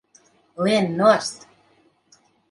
Lien nost!